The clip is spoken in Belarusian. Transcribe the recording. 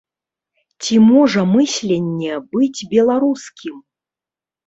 Ці можа мысленне быць беларускім?